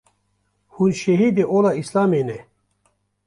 hûn şehîdê ola Îslamê ne